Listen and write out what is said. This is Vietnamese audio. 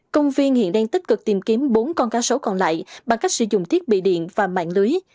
công viên hiện đang tích cực tìm kiếm bốn con cá sấu còn lại bằng cách sử dụng thiết bị điện và mạng lưới